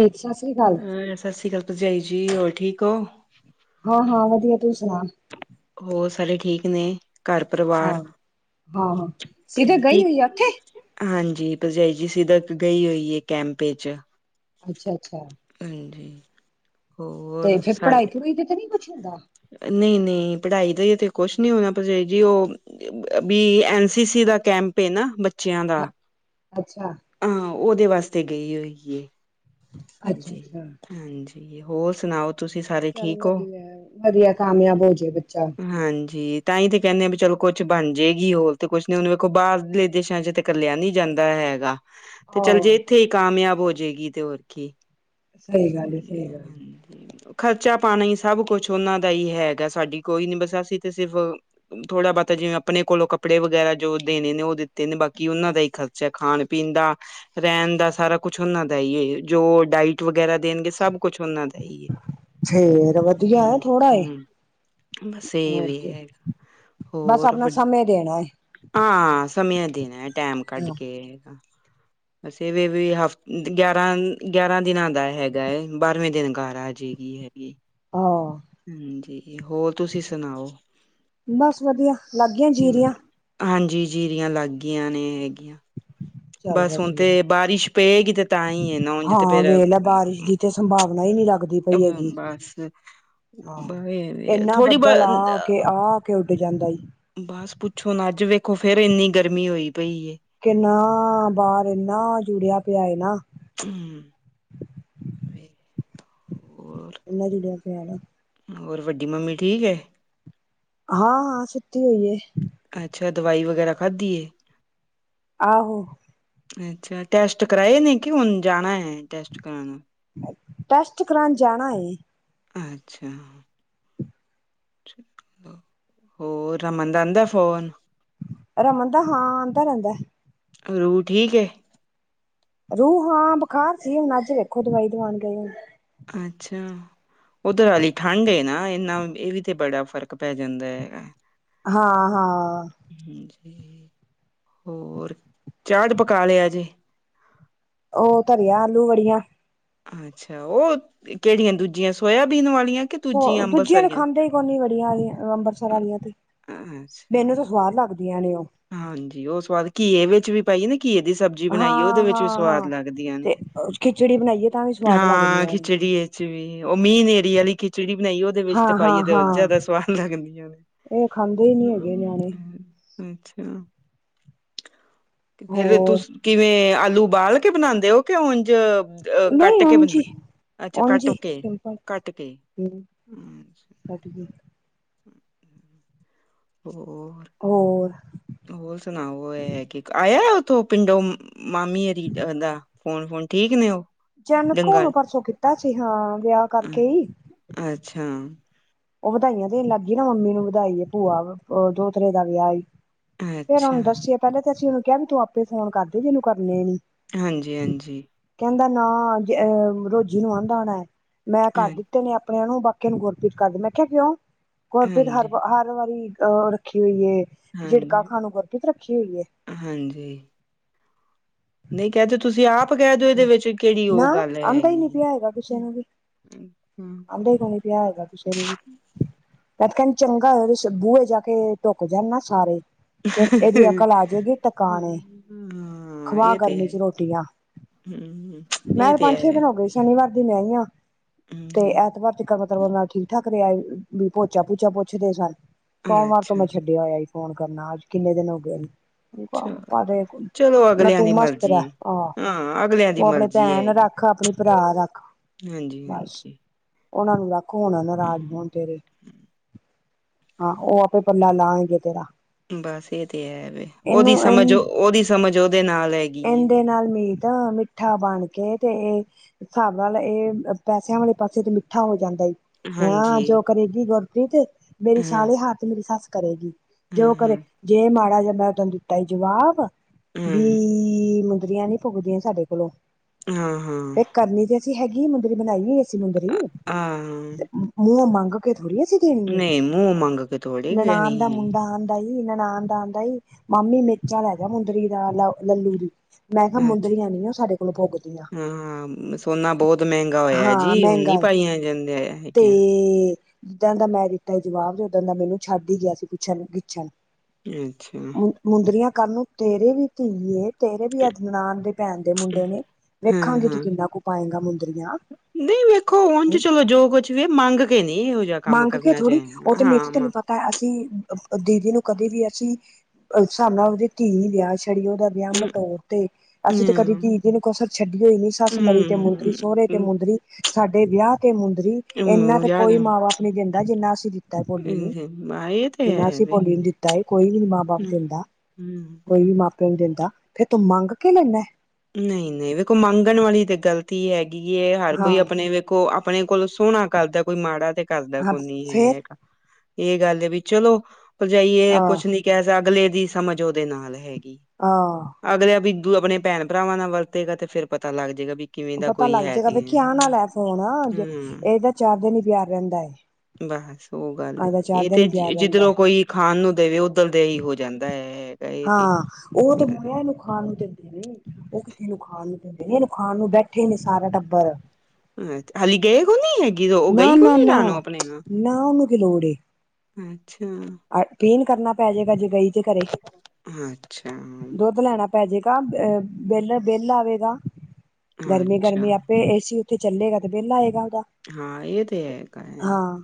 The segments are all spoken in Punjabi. ਸਤਿ ਸ੍ਰੀ ਅਕਾਲ ਸਤਿ ਸ੍ਰੀ ਅਕਾਲ ਭਰਜਾਈ ਜੀ ਹੋਰ ਠੀਕ ਹੋ। ਹਾਂ, ਹਾਂ, ਵਧੀਆ ਤੂੰ ਸੁਣਾ। ਹੋਰ, ਸਾਰੇ ਠੀਕ, ਨੇ ਘਰ ਪਰਿਵਾਰ ਹਾਂ ਹਾਂ ਹਾਂ, ਸਿੱਧੇ ਕੀ ਗਈ ਹੋਈ ਉੱਥੇ। ਹਾਂਜੀ, ਭਰਜਾਈ ਜੀ ਸਿੱਧ ਗਈ ਹੋਈ ਹੈ ਕੈਂਪ ਚ, ਅੱਛਾ, ਅੱਛਾ, ਹਾਂਜੀ ਤੇ ਹੋਰ ਫੇਰ ਪੜ੍ਹਾਈ ਸਾਰੇ ਪੜੂਈ ਤੇ ਤੇ ਨਹੀਂ ਕੁੱਛ ਹੁੰਦਾ। ਨਹੀਂ ਨਹੀਂ ਪੜ੍ਹਾਈ ਦਾ ਕੁਛ ਨੀ ਹੋਣਾ ਪਰਜਾਈ ਜੀ ਉਹ ਬੀ ਐਨ ਸੀ ਸੀ ਦਾ ਕੈਂਪ ਏ ਨਾ ਬ ਬੱਚਿਆਂ ਦਾ ਹਾਂ, ਅੱਛਾ ਹਾਂ ਉਹਦੇ ਵਾਸਤੇ ਗਈ ਹੋਈ ਏ। ਅੱਛਾ ਜੀ ਅੱਛਾ ਹਾਂਜੀ ਜੀ ਹੋਰ ਸੁਣਾਓ ਤੁਸੀਂ ਸਾਰੇ ਚੱਲ ਠੀਕ ਹੋ ਵਧੀਆ ਵਧੀਆ ਕਾਮਯਾਬ ਹੋਜੇ ਬੱਚਾ। ਹਾਂਜੀ ਤਾਂ ਹੀ ਤੇ ਕਹਿੰਦੇ ਆ ਵੀ ਚਲੋ ਕੁਛ ਬਣ ਜਾਏਗੀ, ਹੋਰ ਤੇ ਕੁਛ ਨ ਉਹਨੂੰ ਵੇਖੋ, ਬਾਹਰਲੇ ਦੇਸ਼ਾਂ ਚ ਤੇ ਕਲਿਆ ਨੀ ਜਾਂਦਾ ਹੈਗਾ। ਤੇ ਚੱਲ ਜੀ, ਆਹੋ ਇੱਥੇ ਹੀ ਕਾਮਯਾਬ ਹੋ ਜਏਗੀ, ਤੇ ਹੋਰ ਕੀ। ਸਹੀ ਗੱਲ ਏ, ਸਹੀ ਗੱਲ ਏ। ਹਾਂਜੀ ਖਰਚਾ ਪਾਣੀ ਹੀ ਸਭ ਕੁਛ ਉਹਨਾ ਦਾ ਹੀ ਹੈਗਾ ਸਾਡੀ ਕੋਈ ਨੀ ਬਸ ਅਸੀਂ ਤੇ ਸਿਰਫ ਥੋੜਾ ਬਹੁਤਾ ਜਿਵੇਂ ਆਪਣੇ ਕੋਲੋਂ ਕੱਪੜੇ ਵਗੈਰਾ ਜੋ ਦੇਣੇ ਨੇ, ਉਹ ਦਿੱਤੇ ਨੇ ਬਾਕੀ ਉਹਨਾਂ ਦਾ ਹੀ ਖਰ ਚਾਹੇ ਖਾਣ ਪੀਣ ਦਾ, ਰਹਿਣ ਦਾ, ਸਾਰਾ ਕੁਛ ਉਹਨਾਂ ਦਾ ਈ ਏ, ਜੋ ਡਾਇਟ ਵਗੈਰਾ ਦੇਣਗੇ ਸਭ ਕੁਛ ਉਹਨਾਂ ਦਾ ਹੀਏ। ਛੇਰ ਹੂੰ ਹੂੰ, ਬਸ ਇਹ ਹੋਰ ਵੀ ਕੀ ਹੈਗਾ ਬਸ ਹੋਰ ਆਪਣਾ ਵ ਸਮਯ ਦੇਣਾ। ਹੈ ਹਾਂ ਸਮਯ ਦੇਣਾ, ਟੈਮ ਕੱਢ ਹਾਂ ਕੇ। ਅਸੀਂ ਵੀ ਵੀ ਹਫ਼ ਗਿਆਰਾਂ ਗਿਆਰਾਂ ਦਿਨਾਂ ਦਾ ਹੈਗਾ ਏ, ਬਾਰਵੇਂ ਦਿਨ ਘਰ ਆਜੇਗੀ ਹੈਗੀ। ਹਾਂ, ਹਾਂਜੀ ਹੋਰ ਤੁਸੀਂ ਸੁਣਾਓ। ਬਸ ਵਧੀਆ ਲੱਗਿਆਂ ਜੀਰੀਆਂ। ਹਾਂਜੀ ਜੀਰੀਆਂ ਲੱਗ ਗਈਆਂ ਨੇ, ਹੈਗੀਆਂ। ਚੱਲ ਬਸ ਹੁਣ ਤੇ ਵਧੀਆ ਬਾਰਿਸ਼ ਪਏਗੀ, ਤੇ ਤਾਂ ਹੀ ਏ ਨਾ ਉਂਜ ਤੇ ਹਾਂ ਫੇਰ ਵੇਖ ਲੈ ਬਾਰਿਸ਼ ਦੀ ਤੇ ਸੰਭਾਵਨਾ ਹੀ ਨਹੀਂ ਲੱਗਦੀ ਪਈ ਹੈਗੀ। ਅੱਛਾ ਆਹ, ਏਨਾ ਬੱਦਲ ਆ ਆ ਕੇ, ਆ ਆ ਕੇ ਉੱਡ ਜਾਂਦਾ ਈ। ਬਸ ਪੁੱਛੋ ਨਾ, ਅੱਜ ਵੇਖੋ ਫੇਰ ਇੰਨੀ ਗਰਮੀ ਹੋਈ ਪਈ ਏ। ਕਿੰਨਾ ਬਾਹਰ, ਇੰਨਾ ਜੁੜਿਆ ਪਿਆ ਏ ਨਾ। ਹੂੰ ਵੀ [inaudible] ਇਨਾ ਜੁੜਿਆ ਪਿਆ ਨਾ ਹੋਰ ਵੱਡੀ ਮੰਮੀ ਠੀਕ ਏ। ਹਾਂ ਹਾਂ ਸੁਤੀ ਹੋਈ ਏ। ਅੱਛਾ ਦਵਾਈ ਵਗੈਰਾ ਖਾਧੀ ਏ। ਆਹੋ ਅੱਛਾ, ਟੈਸਟ ਕਰਾਏ ਨੇ ਕਿ ਹੁਣ ਜਾਣਾ ਏ ਟੈਸਟ ਕਰਾਣ। ਟੈਸਟ ਕਰਾਉਣ ਜਾਣਾ ਏ। ਅੱਛਾ ਹੋਰ, ਰਮਨ ਦਾ ਆਂਦਾ ਏ ਫੋਨ। ਰਮਨ ਦਾ, ਹਾਂ ਆਉਂਦਾ ਰਹਿੰਦਾ ਏ। ਰੂ ਠੀਕ ਏ। ਰੂਹ ਹਾਂ ਬੁਖਾਰ ਸੀ, ਹੁਣ ਅੱਜ ਵੇਖੋ ਦਵਾਈ ਦਵਾਉਣ ਗਏ ਹੁਣ। ਅੱਛਾ ਉਧਰ ਹਾਲੀ ਠੰਢ ਏ ਨਾ, ਇਨਾ ਇਹ ਵੀ ਤੇ ਬੜਾ ਫ਼ਰਕ ਪੈ ਜਾਂਦਾ ਹੈਗਾ। ਹਾਂ ਹਾਂ ਹੋਰ, ਚਾੜ ਪਕਾ ਲਿਆ ਜੇ। ਉਹ ਧਰਿਆ ਆਲੂ ਵੜੀਆਂ। ਅੱਛਾ, ਉਹ ਕਿਹੜੀਆਂ ਦੂਜੀਆਂ ਸੋਇਆਬੀਨ ਵਾਲੀਆਂ ਕਿ ਸੋ ਦੂਜੀਆਂ ਦੇ ਅੰਬਰਸਰੀਆਂ ਖਾਂਦੇ ਹੀ ਕੋਨੀ ਵੜੀਆਂ ਤੇ, ਆ ਅੰਮ੍ਰਿਤਸਰ ਵਾਲੀਆਂ ਤੇ, ਅੱਛਾ, ਹੁੰਦੀਆ ਨੇ ਔ, ਹਾਂਜੀ, ਉਹ ਸਵਾਦ ਘੀਏ ਵਿੱਚ ਵੀ ਪਾਈਏ, ਨਾ ਘੀਏ ਦੀ ਸਬਜ਼ੀ ਸਬਜੀ ਬਣਾਈਏ, ਉਹਦੇ ਹਾਂ ਵਿੱਚ ਵੀ ਹਾਂ ਸਵਾਦ ਹਾਂ ਲੱਗਦੀਆਂ ਨੇ, ਤੇ ਖਿਚੜੀ ਬਣਾਈਏ ਤਾਂ ਵੀ ਸਵਾਦ ਹਾਂ ਲੱਗਦੀਆਂ ਨੇ ਖਿਚੜੀ ਏ ਵੀ, ਉਹ ਮੀਂਹ ਹਨੇਰੀ ਵਾਲੀ ਖਿਚੜੀ ਬਣਾਈ, ਉਹਦੇ ਵਿੱਚ ਤੇ ਪਾਈਏ, ਤੇ ਹਾਂ-ਹਾਂ-ਹਾਂ ਜ਼ਿਆਦਾ ਸਵਾਦ ਲੱਗਦੀਆਂ ਨੇ। ਇਹ ਖਾਂਦੇ ਨੀ ਹੈਗੇ ਨਿਆਣੇ, ਹੂੰ, ਅੱਛਾ, ਫੇਰ ਹੋਰ ਤੁਸੀ ਕਿਵੇਂ ਆਲੂ ਉਬਾਲ ਕੇ ਬਣਾਦੇ ਹੋ, ਕਿ ਉੰਝ ਕੱਟ ਨਹੀਂ ਕੇ ਉਂਝ ਬਣਾ। ਈ ਅੱਛਾ ਉਂਝ ਕੱਟ ਈ ਕੇ, ਸਿੰਪਲ ਕੱਟ ਕੇ, ਹੂੰ ਹਟ ਗਈ ਹ, ਹੋਰ? ਹੋਰ? ਹੋਰ ਸੁਣਾਓ? ਉਹ ਇਹ ਹੈ ਕਿ ਆਇਆ ਉਥੋਂ ਪਿੰਡੋ, ਮਾਮੀ ਹੋਣੀਦਾ ਫੋਨ-ਫੋਨ ਠੀਕ ਨੇ ਉਹ, ਜਨਕ ਹੁਣ ਡੰਗਾਲ ਪਰਸੋਂ ਕੀਤਾ ਸੀ ਹਾਂ ਵਿਆਹ ਕਰਕੇ ਹੀ। ਅੱਛਾ, ਉਹ ਵਧਾਈਆਂ ਦੇਣ ਲੱਗ ਪਈ, ਨਾ ਮੰਮੀ ਨੂੰ ਵਧਾਈ ਭੂਆ ਦੋਤਰੇ ਦਾ ਵਿਆਹ ਈ, ਫੇਰ ਅੱਛਾ ਉਹਨੂੰ ਦੱਸੀਏ, ਪਹਿਲਾਂ ਤੇ ਅਸੀਂ ਉਹਨੂੰ ਕਿਹਾ ਵੀ ਤੂੰ ਆਪੇ ਫੋਨ ਕਰਦੇ ਜਿਹਨੂੰ ਕਰਨੇ ਨੀ। ਹਾਂਜੀ-ਹਾਂਜੀ, ਕਹਿੰਦਾ ਨਾ ਰੋਜ਼ੀ ਨੂੰ ਆਉਦਾ ਹੋਣਾ ਹੈ ਮੈਂ ਹਾਂ ਘਰਦੀ ਨੇ ਆਪਣਿਆਂ ਨੂੰ, ਬਾਕੀਆਂ ਨੂੰ ਗੁਰਪੀਤ ਕਰਦੇ, ਮੈਂ ਕਿਹਾ ਕਿਉਂ ਗੁਰਪੀਤ ਹਾਂਜੀ ਹਰ, ਹਰ ਵਾਰੀ, ਰੱਖੀ ਹੋਈਏ, ਝਿੜਕਾ ਹਾਂਜੀ, ਖਾਣ ਨੂੰ ਗੁਰਪੀਤ ਰੱਖੀ ਹੋਈਏਂ ਹਾਂਜੀ, ਨਹੀਂ ਕਹਿ ਦੋ ਤੁਸੀਂ ਆਪ ਕਹਿ ਦਿਓ, ਇਹਦੇ ਵਿੱਚ ਕਿਹੜੀ ਉਹ ਨਾ ਗੱਲ ਆਂਦਾ ਹੀ ਨੀ ਹੈਗੀ ਪਿਆ ਆਂ ਅੱਛਾ, ਅਦੇ, ਵਿਆਹ ਹੈਗਾ ਕਿਸੇ ਨੂੰ ਵੀ ਮੈਂ ਤੇ ਕਹਿੰਦੀ ਚੰਗਾ ਹੋ ਬੂਹੇ ਜਾ ਕੇ ਢੁਕ ਜਾਣ ਨਾ ਸਾਰੇ, ਤੇ ਇਹਦੀ ਅਕਲ ਆ ਜਾਏਗੀ ਟਿਕਾਣੇ, ਹੂੰ, ਖਵਾ ਗਰਮੀ ਚ ਰੋਟੀਆਂ, ਹੂੰ ਮੈਂ ਇਹ ਤੇ ਪੰਜ ਛੇ ਹੈ ਦਿਨ ਹੋ ਗਏ ਸ਼ਨੀਵਾਰ ਦੀ ਮੈਂ ਆਈ ਐ ਤੇ ਹੂੰ ਐਤਵਾਰ, ਕਰਮ ਤੁਮ ਨਾਲ ਠੀਕ-ਠਾਕ ਰਿਹਾ ਵੀ ਭੋਚਾ ਭੂਚਾ ਪੁੱਛਦੇ ਸਨ, ਸੋਮਵਾਰ ਤੋਂ ਅੱਛਾ ਮੈਂ ਛੱਡ ਹੋਇਆ ਸੀ, ਫੋਨ ਕਰਨਾ ਅੱਜ ਕਿੰਨੇ ਦਿਨ ਹੋ ਗਏ। ਚਲੋ ਚਲੋ ਉਹ ਅਗਲਿਆਂ ਤੂੰ ਦੀ ਮਸਤ ਰੈ ਮਰਜ਼ੀ ਆਹੋ, ਹੈ। ਹਾਂ ਅਗਲਿਆਂ ਦੀ ਉਹ ਆਪਣੇ ਮਰਜ਼ੀ ਭੈਣ ਹੈਗੀ ਰੱਖ, ਆਪਣੇ ਭਰਾ ਰੱਖ। ਬਸ ਹਾਂਜੀ-ਹਾਂਜੀ, ਉਹਨਾਂ ਨੂੰ ਵਖ ਹੋਣਾ ਨਾਰਾਜ਼ ਹੋਣ ਤੇਰੇ, ਹਾਂ ਉਹ ਆਪੇ ਪੱਲਾ ਲਾਉਣਗੇ ਤੇਰਾ। ਬਸ ਇਹ ਤੇ ਹੈ, ਵੀ ਉਹਦੀ ਇਹਨੂੰ ਸਮਝ ਇਹਨੂੰ ਉਹਦੀ ਸਮਝ ਉਹਦੇ ਨਾਲ ਹੈਗੀ। ਇਹਦੇ ਨਾਲ ਮੀਤਾ ਮਿੱਠਾ ਬਣ ਕੇ ਤੇ ਇਹ ਹਿਸਾਬ ਨਾਲ ਇਹ ਪੈਸਿਆਂ ਵਾਲੇ ਪਾਸੇ ਤੇ ਮਿੱਠਾ ਹੋ ਜਾਂਦਾ। ਹਾਂ ਹਾਂਜੀ ਜੋ ਕਰੇਗੀ ਗੁਰਪ੍ਰੀਤ, ਮੇਰੀ ਸਾਲੇ ਹਾਰ ਤੇ ਮੇਰੀ ਸੱਸ ਕਰੇਗੀ। ਜੋ ਕਰੇ, ਹੂੰ-ਹੂੰ-ਹੂੰ ਜੇ ਮਾੜਾ ਜਿਹਾ ਮੈਂ ਓਹਨੂੰ ਦਿੱਤਾ ਸੀ ਜਵਾਬ। ਹੂੰ ਵੀਹ ਮੁੰਦਰੀਆਂ ਨੀ ਪੁਗਦੀਆਂ ਸਾਡੇ ਕੋਲੋਂ, ਹਾਂ-ਹਾਂ ਤੇ ਹਾਂ ਕਰਨੀ ਤੇ। ਅਸੀਂ ਹੈਗੀ ਮੁੰਦਰੀ ਬਣਾਈ ਅਸੀਂ ਮੁੰਦਰੀ, ਹਾਂ ਹਾਂ ਹਾਂ ਤੇ ਮੂੰਹ ਮੰਗ ਕੇ ਥੋੜ੍ਹੀ ਅਸੀ। ਦੇਣੀ ਏ, ਨਹੀਂ ਮੂੰਹ ਮੰਗ ਕੇ ਥੋੜੀ ਨਨਾਣ ਦਾ ਕਹਿਣੀ ਹੈ। ਮੁੰਡਾ ਆਣ, ਆਂਉਦਾ ਨਨਾਣ ਨਾਲ ਆਉਦਾ ਈ, ਮਾਮੀ ਮਿਰਚਾ ਲੈ ਜਾ ਮੁੰਦਰੀ ਦਾ ਲਾ। ਲੱਲੂ ਦੀ, ਮੈਂ ਕਿਹਾ ਅੱਛਾ ਮੁੰਦਰੀਆਂ ਨੀ ਉਹ ਸਾਡੇ ਕੋਲੋਂ ਪੁਗਦੀਆਂ। ਹਾਂ ਸੋਨਾ ਬਹੁਤ ਮਹਿੰਗਾ ਹੋਇਆ ਹੈ ਹਾਂ ਜੀ ਹੁਣ ਨੀ ਮਹਿੰਗਾ, ਪਾਈਆਂ ਜਾਂਦੇ ਤੇ, ਹੈਗੀਆਂ। ਜਿਸ ਦਿਨ ਦਾ ਮੈਂ ਦਿੱਤਾ ਏ ਜਵਾਬ, ਤੇ ਓਸ ਦਿਨ ਦਾ ਮੈਨੂੰ ਛੱਡ ਹੀ ਗਿਆ ਸੀ ਪਿੱਛੇ ਨੂੰ ਗਿੱਛਣ। ਅੱਛਾ। ਮੁੰਦਰੀਆਂ ਕਲ ਨੂੰ ਤੇਰੇ ਵੀ ਧੀ ਐ, ਤੇਰੇ ਵੀ ਅੱਠ ਨਨਾਣ ਦੇ ਭੈਣ ਦੇ ਮੁੰਡੇ ਨੇਂ। ਵੇਖਾਂਗੇ ਤੂ ਹਾਂ-ਹਾਂ ਕਿੰਨਾ ਕੁ ਪਾਏਗਾ ਮੁੰਦਰੀਆਂ। ਨਹੀਂ ਵੇਖੋ ਉਝ ਤੇ ਹੈਂ ਚਲੋ ਜੋ ਕੁਛ ਵੀ ਏ ਮੰਗ ਕੇ ਨਹੀਂ ਇਹੋ ਜਿਹਾ ਕੰਮ ਕਰਨਾ ਚਾਹਿਦਾ, ਹਾਂ ਮਾਂ। ਤਾਂ ਅਸੀ ਅ ਅ, ਦੀਦੀ ਨੂੰ ਕਦੇ ਵੀ ਅਸੀ ਇਸ ਹਿਸਾਬ ਨਾਲ ਉਹਦੀ ਧੀ ਨੂੰ [unintelligible] ਆਮ ਤੋੌਰ ਤੇ। ਅਸੀ ਤੇ ਕਦੀ ਹੂੰ ਕੀਰਤੀ ਨੂੰ ਕਸਰ ਛੱਡੀਓ ਈ ਨੀ, ਸੱਸ ਮਰੀ ਤੇ ਮੁੰਦਰੀ, ਸੋਹਰੇ ਤੇ ਹੂੰ ਮੁੰਦਰੀ। ਸਾਡੇ ਵਿਆਹ ਤੇ ਮੁੰਦਰੀ, ਇੰਹਨਾ ਹੂੰ, ਤੇ ਯਾਦ ਕੋਈ ਹਾਂ ਮਾਂ ਬਾਪ ਨੀ ਦਿੰਦਾ ਜਿੰਹਨਾ ਅਸੀ ਦਿ ਤਾ ਭੋਲੀ ਨੂੰ, ਇਹ ਤੇ ਜਿੰਹਨਾ ਹੈ ਅਸੀ ਵੀ ਭੋਲੀ ਨੂੰ ਦਿੱਤਾ ਐ ਕੋਈ ਵੀ ਨੀ ਮਾਂ ਬਾਪ ਦਿੰਦਾ। ਹਮ। ਕੋਣ ਦਿੰਦਾ, ਫੇਰ ਤੂ ਮੰਗ ਕੇ ਲੈਂਦਾ ਐ? ਨਹੀਂ-ਨਹੀਂ ਵੇਖੋ ਮੰਗਣ ਵਾਲੀ ਤੇ ਗਲਤੀ ਹੈਗੀ ਐ, ਹਰ ਹਾਂ ਕੋਈ ਆਪਨੀ ਕੋ ਆਪਣੇ ਕੋਲ ਸੋਹਣਾ ਕਰਦਾ, ਕੋਈ ਮਾੜਾ ਤੇ ਕਰਦਾ ਹਾਂ ਕੋਈ ਨੀ ਹੀਂ ਫੇਰ ਹੈਗਾ। ਇਹ ਗੱਲ ਏ ਵੀ ਚਲੋ ਭਰਜਾਈ ਏ ਆਹ ਕੁੱਛ ਨੀ। ਕਿ ਇਸ ਅਗਲੇ ਦੀ ਸਮਝ ਉਹਦੇ ਨਾਲ ਹੈਗੀ। ਆਹੰ। ਅਗਲਾ ਬਿੱਜੂ ਆਪਨੀ ਭੈਣ ਭਰਾਵਾਂ ਨਾਲ ਵਰਤੇਗਾ, ਤੇ ਫਿਰ ਪਤਾ ਲੱਗ ਜਾਏਗਾ ਵੀ। ਕਿਵੇਂ ਦਾ ਪਤਾ ਕੋਈ ਲੱਗ ਹੈ ਜਾਏਗਾ ਤੇ ਵੇਖਿ ਹੂੰ ਆਉਨ ਆਲਾ ਏ ਫੋਨ ਅੱਜ, ਇਹ ਤਾ ਚਾਰ ਦਿਨ ਹੀ ਪਿਆਰ ਰਹਿੰਦਾ ਐ। ਬਸ ਉਹ ਗੱਲ ਏ, ਇਹ ਤੇ ਪਿਆਰ ਜਿ ਰਹਿੰਦਾ ਜਿਧਰੋਂ ਕੋਈ ਖਾਨ ਨੂੰ ਦੇਵੇ ਉੱਧਰ ਦਾ ਹੀ ਹੋ ਜਾਂਦਾ ਹੈ ਇਹ। ਹੈਗਾ ਤੇ ਹਾਂ ਉਹ ਤੇ [unintelligible] ਖਾਨ ਨੂੰ ਦਿੰਦੀ ਨੀ [unintelligible] ਖਾਨ ਨੂੰ ਬੈਠੇ ਨੇ ਸਾਰਾ ਟੱਬਰ। [unintelligible] ਨੀ ਹੈਗੀ ਓਹ, ਓਹ ਨਾ ਗਈ ਹੋਈ ਨਾ ਯਾਂ ਨਾ ਜਾਨਾ ਆਪਣੇ ਨਾਲ। ਨਾ ਉਹਨੂੰ ਅੱਛਾ। ਆਹ, ਧੀ ਨੂੰ ਕਰਨਾ ਪਏ ਜਾਏਗਾ ਜੇ ਗਈ ਤੇ ਘਰੇ, ਅੱਛਾ ਦੁੱਧ ਲੈਣਾ। [unintelligible] ਅਹ ਬਿੱਲ-ਬਿੱਲ ਆਵੇਗਾ ਅੱਛਾ ਗਰਮੀ-ਗਰਮੀ ਆਪੇ ਏ ਸੀ ਤੇ ਚੱਲੇਗਾ, ਤੇ ਬਿੱਲ ਆਏਗਾ ਉਹਦਾ। ਹਾਂ ਇਹ ਤੇ ਹੈ ਗੱਲ। ਹਾਂ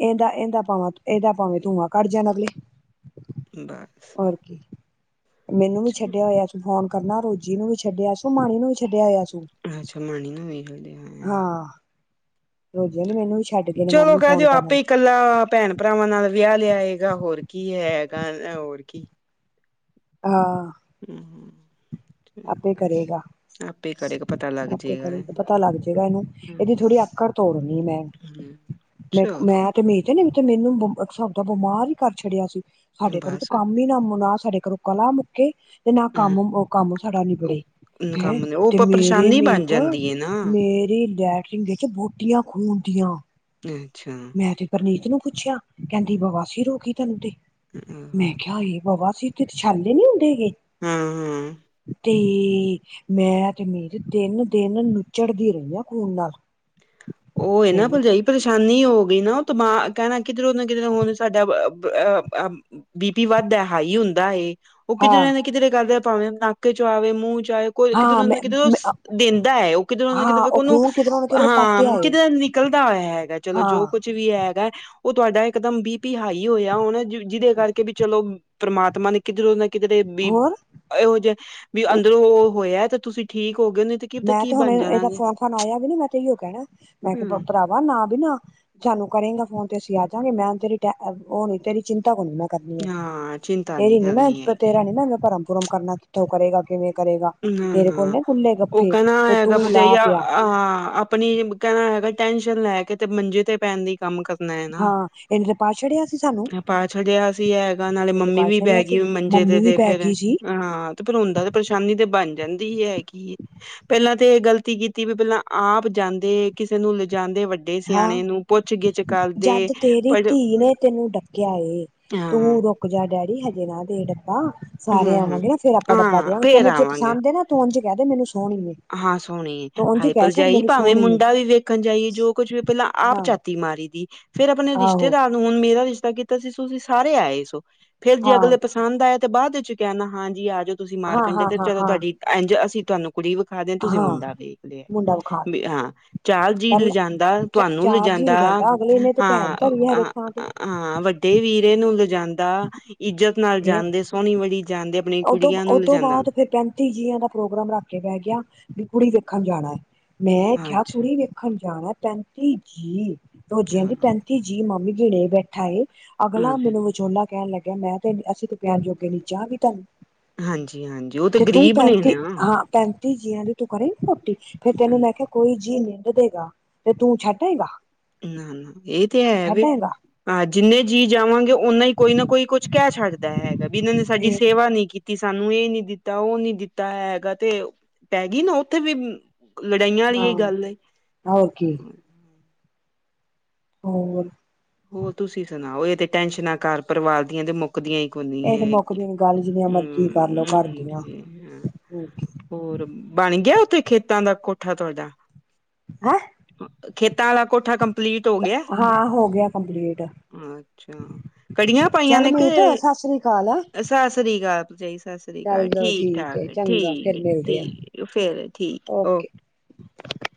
ਇਂਹਦਾ-ਇਂਹਦਾ ਭਾਵੇਂ, ਇਹਦਾ ਭਾਵੇਂ ਧੂੰਆਂ ਕੱਢ ਜਾਣ ਅਗਲੇ। [unintelligible] ਹੋਰ ਕੀ, ਮੈਨੂੰ ਵੀ ਅੱਛਾ ਛੱਡਿਆ ਹੋਇਆ ਸੀ ਫੋਨ। ਕਰਨਾ ਰੋਜੀ ਨੂੰ ਵੀ ਛੱਡਿਆ ਸੀ, ਮਾਹਿਰਾ ਨੂੰ ਵੀ ਛੱਡਿਆ ਹੋਇਆ ਸੀ। [unintelligible] ਰੋਜੀ ਕਹਿੰਦੀ ਮੈਨੂੰ ਵੀ ਛੱਡ। ਗਏ ਨੇ ਚਲੋ ਮਾਮੀ ਕਹਿ ਫੋਨ ਦਿਓ ਕਰਨਾ ਆਪੇ ਹੀ। ਕੱਲਾ ਭੈਣ ਭਰਾਵਾਂ ਨਾਲ ਵਿਆਹ ਲਿਆਏਗਾ, ਹੋਰ ਕੀ ਐ ਹੈਗਾ, ਇਹ ਹੋਰ ਕੀ। ਹਾਂ। ਅ ਹਮ। ਆਪੇ ਕਰੇਗਾ। ਆਪੇ ਕਰੇਗਾ ਪਤਾ ਲੱਗ ਆਪੇ ਜੇਗਾ ਕਰੇ ਤੇ ਪਤਾ ਲੱਗ ਜਾਏਗਾ ਇਹਨੂੰ ਇਹਦੀ ਹੂੰ ਥੋੜੀ ਅੱਕੜ ਤੋੜਨੀ ਮੈਂ। ਚਲੋ ਮੈਂ-ਮੈਂ ਤੇ ਵੇਖਿਆ ਨਹੀਂ [unintelligible] ਅੱਛਾ ਤਾ ਬਿਮਾਰ ਹੀ ਕਰ ਛੱਡਿਆ ਸੀ। ਸਾਡੇ ਘਰੇ ਤਾ ਬਸ ਕੰਮ ਹੀ ਇਹਨਾਂ ਹੋ, ਸਾਡੇ ਘਰੋਂ ਕਲਾ ਮੁੱਕੇ ਤੇ ਨਾ ਹੂੰ ਕੰਮ ਓਹ ਕੰਮ ਸਾਡਾ ਨਿਬੜੇ। ਹੈਂ! ਕੰਮ ਨੇ ਉਹ ਤੇ ਮੇਰੇ ਪਰੇਸ਼ਾਨੀ ਲਈ ਬਣ ਤਾ ਜਾਂਦੀ ਹੈ ਨਾ ਮੇਰੀ ਲੈਟਰਿੰਨ ਵਿੱਚ ਬੂਟੀਆਂ ਖੂਨ ਦੀਆਂ। ਅੱਛਾ। ਮੈਂ ਤੇ ਪਰਨੀਤ ਨੂੰ ਪੁੱਛਿਆ, ਕਹਿੰਦੀ ਬਵਾਸੀਰ ਹੋ ਗਈ ਤੈਨੂੰ ਤੇ। ਹ ਅਹਮ। ਖਿਆ, ਇਹ ਬਵਾਸੀਰ ਕਿਤੇ ਛਾਲੇ ਨੀ ਹੁੰਦੇਗੇ। ਹਾਂ ਤੇ ਮੈਂ ਤੇ ਮਿਹਿਰ ਤਿਨ ਦਿਨ ਨਿਚੜਦੀ ਰਹੀ ਹਾਂ ਖੂਨ ਨਾਲ। ਉਹ ਇਹ ਨਾ ਮੈਨੂੰ ਭਰਜਾਈ ਪਰੇਸ਼ਾਨੀ ਹੋ ਗਈ ਨਾ ਉਹ ਦਿਮਾਗ ਕਹਿਣਾ ਕਿਧਰੋਂ ਨਾ ਕਿਧਰ ਹੁਣ ਸਾਡਾ ਬੀ ਪੀ ਵੱਧ ਹਾਈ ਹੁੰਦਾ ਹੈ। ਉਹ ਹਾਂ ਕਿਧਰੇ ਨਾ ਕਿਧਰੇ ਕਰਦੇ ਭਾਵੇਂ ਨਾਕੇ ਚੋਂ ਆਵੇ ਮੂੰਹ ਚ ਆਵੇ ਕੋ ਹਾਂ ਕਿਧਰੋ ਨਾ ਕਿਧਰੋ ਮੈਂ ਦਿੰਦਾ ਹੈ ਉਹ ਕਿਧਰੋ ਨਾ ਹਾਂ ਕਿਧਰੋ ਉਹ ਉਹਨੂੰ ਖੂਨ ਕਿਧਰੋਂ ਨਾ ਕਿਧਰੋਂ ਪੱਟ ਹਾਂ ਆਏ ਕਿਧਰ ਨਿਕਲਦਾ ਹੈਗਾ ਚਲੋ ਜੋ ਹਾਂ ਕੁਝ ਵੀ ਹੈਗਾ ਉਹ ਤੁਹਾਡਾ ਇਕਦਮ ਬੀ ਪੀ ਹਾਈ ਹੋਇਆ ਉਹ ਜਿਹਦੇ ਕਰਕੇ ਵੀ ਚਲੋ ਪਰਮਾਤਮਾ ਨੇ ਕਿਧਰੋ ਨਾ ਕਿਧਰੇ ਬੀ। ਹੋਰ ਇਹੋ ਜਿਹੇ ਵੀ ਅੰਦਰੋਂ ਉਹ ਹੋਇਆ ਤੇ ਤੁਸੀਂ ਠੀਕ ਹੋ ਗਏ ਉਹਨੇ। ਮੈਂ ਤੇ ਹੁਣ ਇਹਦਾ ਫੋਨ ਫੋਨ ਆਇਆ ਵੀ ਨ ਮੈਂ ਤੇ ਓ ਕਹਿਣਾ ਮੈਂ ਹਮ ਭਰਾ। ਵ ਨਾ ਵੀ ਨਾ ਸਾਨੂੰ ਕਰੇਗਾ ਫੋਨ ਤੇ ਅਸੀਂ ਆ ਜਾਵਾਂਗੇ। ਮੈਂ ਤੇਰੀ ਉਹ ਨੀ ਤੇਰੀ ਚਿੰਤਾ ਬਣਨਾ ਮੈਂ। ਕਰਨੀ ਹੈ ਹਾਂ, ਚਿੰਤਾ ਨਹੀਂ ਤੇਰੀ ਨੀ ਮੈਂ ਕਰਨੀ ਹੈਗੀ। ਤੇਰਾ ਨੀ ਮੈਂ ਭਰਮ ਭੁਰਮ ਕਰਨਾ ਕਿੱਥੋਂ ਕਰੇਗਾ ਕਿਵੇਂ ਕਰੇਗਾ। ਨਾ ਤੇਰੇ ਕੋਲ ਨਾ ਨੇ ਖੁੱਲੇ ਉਹ ਗੱਫੇ ਕਹਣਾ ਤੇ ਤੂੰ ਹੈਗਾ ਲਾ ਭਰਜਾਈਆ। ਪਿਆ ਹਾਂ। ਆਪਣੀ ਕਹਿਣਾ ਹੈਗਾ ਟੈਨਸ਼ਨ ਲੈ ਕੇ ਤੇ ਮੰਜੇ ਤੇ ਪੈਣ ਦੀ। ਕੰਮ ਕਰਨਾ ਹੈ ਨਾ। ਹਾਂ ਇਹਨੇ ਤੇ ਪਾ ਛੜਿਆ ਸੀ ਸਾਨੂੰ ਮੈਂ ਪਾ ਛਡਿਆ ਸੀ ਹੈਗਾ ਨਾਲੇ ਇਹਨੇ ਤੇ ਮੰਮੀ ਪਾ ਵੀ ਛੜਿਆ ਪੈ ਗ। ਸੀ ਹੈਗੀ ਮੰਜੇ ਮੰਮੀ ਤੇ ਵੀ ਤੇ ਪੈ ਫੇਰ ਗਈ ਸੀ ਹਾਂ ਤੇ ਫੇਰ ਹੁੰਦਾ ਤੇ ਪਰੇਸ਼ਾਨੀ ਤੇ ਬਣ ਜਾਂਦੀ ਹੀ ਹੈਗੀ। ਪਹਿਲਾਂ ਤੇ ਇਹ ਗਲਤੀ ਕੀਤੀ ਵੀ ਪਹਿਲਾਂ ਆਪ ਜਾਂਦੇ ਕਿਸੇ ਨੂੰ ਲਿਜਾਂਦੇ ਵੱਡੇ। ਹਾਂ ਸਿਆਣੇ ਨੂੰ ਪੁੱਛ ਗਿੱਛ ਕਰਦੇ ਜਦ ਤੇਰੀ ਪਰ ਧੀ ਨੇ ਤੈਨੂੰ ਡ। ਏ ਹਾਂ, ਤੂੰ ਰੁਕ ਜਾ ਡੈਡੀ ਹਜੇ ਨਾ ਦੇ ਡੱਬਾ। ਸਾਰੇ ਹੂੰ-ਹੂੰ ਆਵਾਂਗੇ ਨਾ ਫ਼ਿਰ ਆਪਾਂ ਡੱਬਾ ਹਾਂ ਦਿਆਗੇ। ਫੇਰ ਤੈਨੂੰ ਜੈ ਆਵਾਂਗੇ। ਪਸੰਦ ਨਾ ਤੂੰ ਉਂਝ ਕਹਿ ਦੇ ਮੈਨੂੰ ਸੌਹਣੀ। ਹਾਂ ਸੋਹਣੀ ਹਾਈਪਲ ਜਾਈ। ਭਾਵੇਂ ਸੋਹਣੀ ਏ ਮੁੰਡਾ ਵੀ ਵੇਖਣ ਜਾਈਏ ਜੋ ਕੁਝ ਵੀ। ਪਹਿਲਾਂ ਆਪ ਹਾਂ ਝਾਤੀ ਮਾਰੀ ਦੀ ਫੇਰ ਆਪਣੇ ਆਹੋ ਰਿਸ਼ਤੇਦਾਰ। ਹੁਣ ਮੇਰਾ ਰਿਸ਼ਤਾ ਕੀਤਾ ਸੀ। ਤੁਸੀਂ ਸਾਰੇ ਆਏ ਸੋ। ਫੇਰ ਜੇ ਹਾਂ ਅਗਲੇ। ਆਇਦਾ ਤੇ ਬਾਅਦ ਵਿੱਚ ਕਹਿੰਦਾ। ਹਾਂ ਜੀ ਆ ਜਾਓ ਤੁਸੀਂ ਹਾਂ ਮਾਰਕੰਡੇ ਹਾਂ ਤੇ ਹਾਂ ਚਲੋ, ਹਾਂ ਤੁਹਾਡੀ ਇੰਝ ਅਸੀਂ ਤੁਹਾਨੂੰ ਕੁੜੀ। ਹਜੇ ਤੁਸੀਂ ਹਾਂ ਮੁੰਡਾ ਵੇਖ ਲਿਆ। ਮੁੰਡਾ ਵਿਖਾ ਹਾਂ ਚਾਲ ਜੀ ਪਹਿਲਾਂ ਲਿਜਾਂਦਾ। ਚ ਤੁਹਾਨੂੰ ਚਾਰਜ ਹੀ ਲਿਜਾਂਦਾ। ਰਜਾਂਦਾ ਅਗਲੇ ਨੇ ਤੇ ਭੈਣ ਹਾਂ ਹ ਧਰੀ ਹਰ ਇੱਕ ਹਾਂ। ਥਾਂ ਤੇ ਹਾਂ ਵੱਡੇ ਵੀਰੇ ਨੂੰ ਲਿਜਾਂਦਾ। ਇੱਜਤ ਨਾਲ ਫੇਰ ਜਾਂਦੇ ਸੋਹਣੀ ਵੜੀ ਜਾਂਦੇ। ਆਪਣੀ ਉਦੋਂ, ਕੁੜੀਆਂ ਨੂੰ ਉਦੋਂ ਲਿਜਾਂਦਾ ਬਾਅਦ ਫਿਰ ਪੈਂ। ਜੀਆਂ ਦਾ ਪ੍ਰੋਗਰਾਮ ਰੱਖ ਕੇ ਬਹਿ ਗਿਆ ਵੀ ਕੁੜੀ ਵੇਖਣ ਜਾਣਾ। ਮੈਂ ਕਿਹਾ ਅੱਛਾ ਕੁੜੀ ਵੇਖਣ। ਰਖਣ ਜਾਣਾ। ਪੈਂਤੀ ਜੀਅ ਰੋਜ਼ਿਆਂ ਹਾਂ ਦੀ ਪੈਂਤੀ ਜੀਅ ਮਾਮੀ ਗਿਣੇ ਬੈਠਾ ਏ। ਅਗਲਾ ਹਾਂਜੀ ਮੈਨੂੰ ਵਿਚੋਲਾ ਕਹਿਣ ਲੱਗਿਆ ਮੈਂ ਤੇ ਅਸੀਂ ਤੇ ਪਿਆਣ ਜੋਗੇ ਨੀ। ਚਾਹ ਵੀ ਧਰਤੀ। ਹਾਂ ਜੀ ਹਾਂ ਜੀ। ਤੇ ਤੂੰ ਪੈਂਤੀ ਹਾਂ ਪੈਂਤੀ ਜੀਆਂ ਦੀ ਤੂੰ ਕਰੀ ਨੀ ਰੋਟੀ। ਫੇਰ ਤੈਨੂੰ ਮੈਂ ਕਿਹਾ। ਕੋਈ ਜੀਅ ਨਿੰਦ ਦੇਗਾ ਤੇ ਤੂੰ ਛੱਡੇਗਾ। ਹੂ ਇਹ ਤੇ ਹੈ ਵੈ। ਹਾਂ ਜਿੰਨੇ ਜੀਅ ਜਾਵਾਂਗੇ ਉਹਨਾ ਹੀ ਕੋਈ ਨਾ ਕੋਈ ਕੁਝ ਕਹਿ ਛੱਡਦਾ ਹੈਗਾ। ਵੀ ਇਹਨਾਂ ਨੇ ਸਾਡੀ ਤੇ ਸੇਵਾ ਨਹੀਂ ਕੀਤੀ। ਕਿ ਸਾਨੂੰ ਇਹ ਨੀ ਦਿੱਤਾ। ਉਹ ਨੀ ਦਿੱਤਾ ਹੈਗਾ ਤੇ ਪੈ ਗਈ ਨਾ ਉੱਥੇ ਵੀ। ਲੜਾਈਆਂ ਵਾਲੀ ਹਾਂ ਏ ਗੱਲ ਐ। ਹੋਰ ਕੀ ਹੋਰ। ਹੋਰ ਤੁਸੀਂ ਸੁਣਾਓ। ਇਹ ਤੇ ਟੈਨਸ਼ਨਾਂ ਘਰ ਪਰਿਵਾਰ ਦੀਆਂ ਤੇ ਮੁ? ਮੁਕਦੀਆਂ ਈ ਕੋਈ ਇਹ ਤੇ ਨੀ। ਮੁੱਕਦੀ ਗੱਲ ਜਿੰਨੀਆਂ ਮਰਜ਼ੀ ਕਰਲੋ ਘਰ ਦੀਆਂ ਹੋਰ ਕੀ ਹੋਰ ਬਣ ਗਿਆ। ਉੱਥੇ ਖੇਤਾਂ ਦਾ ਕੋਠਾ ਤੁਹਾਡਾ। ਹੈਂ। ਖੇਤਾਂ ਵਾਲਾ ਕੋਠਾ ਕੰਪਲੀਟ ਹੋ ਗਿਆ। ਹਾਂ ਹੋ ਗਿਆ ਕੰਪਲੀਟ। ਅੱਛਾ ਕੜੀਆਂ ਪਾਈਆਂ ਚੱਲ ਨੇ ਮੀਤ ਕਿ। ਸਤਿ ਸ੍ਰੀ ਅਕਾਲ ਆ ਸਤਿ ਸ੍ਰੀ ਅਕਾਲ ਜੀ। ਚੱਲ ਠੀਕ, ਠਾਕ ਏ ਚੰਗਾ ਫਿਰ ਠੀਕ, ਮਿਲਦੇ ਆ ਠੀਕ ਫੇਰ ਠੀਕ ਓ ਓਕੇ ਕੇ। [unintelligible]